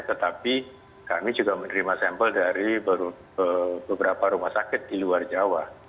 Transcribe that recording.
tetapi kami juga menerima sampel dari beberapa rumah sakit di luar jawa